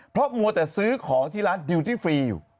เพราะมัวแต่ซื้อของที่ร้านดิวตี้ฟรีอยู่